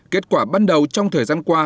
kết quả bắt đầu trong thời gian qua